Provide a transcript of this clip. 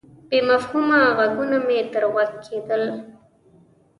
بې مفهومه ږغونه مې تر غوږ کېدل.